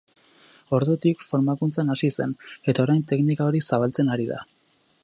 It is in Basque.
Ordutik, formakuntzan hasi zen, eta orain teknika hori zabaltzen ari da.